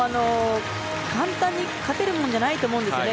簡単に勝てるものじゃないと思うんですよね。